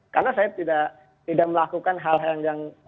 karena saya tidak melakukan hal hal yang